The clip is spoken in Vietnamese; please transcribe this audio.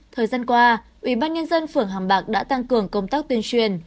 thời gian qua ủy ban nhân dân phường hàm bạc đã tăng cường công tác tuyên truyền